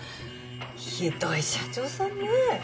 ひどい社長さんね。